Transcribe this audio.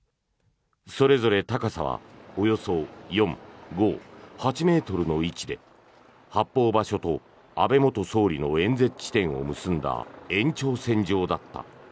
それぞれ高さはおよそ４、５、８ｍの位置で発砲場所と安倍元総理の演説地点を結んだ延長線上だった。